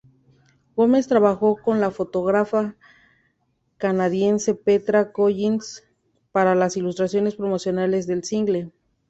Gomez trabajó con la fotógrafa canadiense Petra Collins para las ilustraciones promocionales del single.